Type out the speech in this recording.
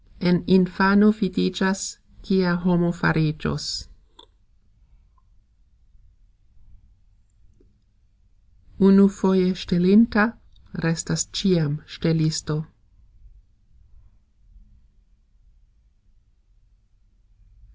En infano vidigxas, kia homo farigxos. Unufoje sxtelinta restas cxiam sxtelisto.